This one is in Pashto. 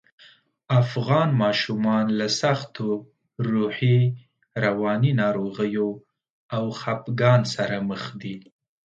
افغان ماشومان له سختو روحي، رواني ناروغیو او خپګان سره مخ دي